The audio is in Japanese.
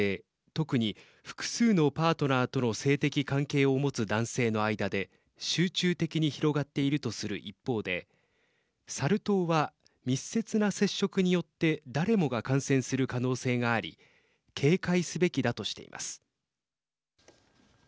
特に、複数のパートナーとの性的関係を持つ男性の間で集中的に広がっているとする一方でサル痘は、密接な接触によって誰もが感染する可能性があり警戒すべきだとしています。